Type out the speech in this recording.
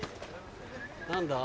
何だ？